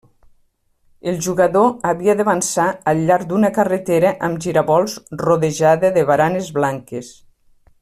El jugador havia d'avançar al llarg d'una carretera amb giravolts rodejada de baranes blanques.